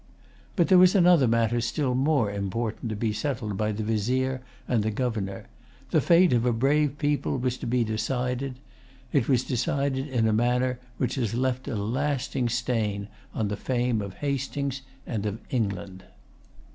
But there was another matter still more important to be settled by the Vizier and the Governor. The fate of a brave people was to be decided. It was decided in a manner which has left a lasting stain on the fame of Hastings and of England.